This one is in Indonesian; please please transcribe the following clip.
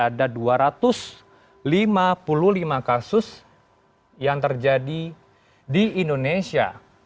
ada dua ratus lima puluh lima kasus yang terjadi di indonesia